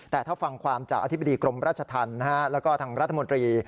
แต่ถ้าฟังความจากอธิบดีกรมราชธรรมแล้วก็ทางรัฐมนตรี